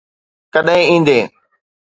ڪڏھن ايندين؟